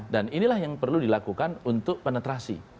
dan inilah yang perlu dilakukan untuk penetrasi